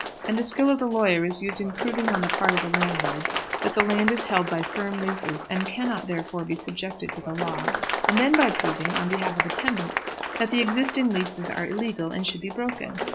And the skill of the lawyers is used in proving on the part of the landlords that the land is held by firm leases, and cannot, therefore, be subjected to the law; and then by proving, on behalf of the tenants, that the existing leases are illegal, and should be broken.